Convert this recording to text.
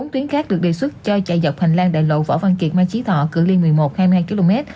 bốn tuyến khác được đề xuất cho chạy dọc hành lang đại lộ võ văn kiệt mang trí thọ cửa ly một mươi một hai mươi hai km